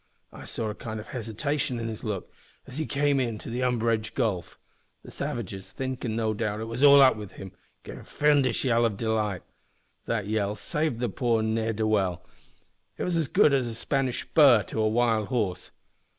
I saw a kind o' hesitation in his look as he came to the unbridged gulf. The savages, thinkin' no doubt it was all up with him, gave a fiendish yell o' delight. That yell saved the poor ne'er do well. It was as good as a Spanish spur to a wild horse.